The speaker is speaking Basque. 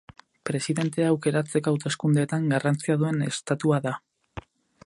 Presidentea aukeratzeko hauteskundeetan garrantzia duen estatua da.